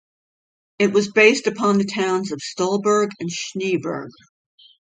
It was based upon the towns of Stollberg and Schneeberg.